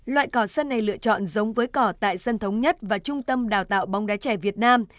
loại cỏ sân này lựa chọn giống với cỏ tại sân thống nhất và trung tâm đào tạo bóng đá trẻ việt nam